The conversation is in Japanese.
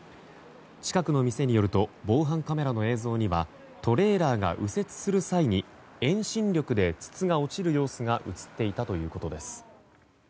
近くの店によると防犯カメラの映像にはトレーラーが右折する際に遠心力で筒が落ちる様子が映っていたということです。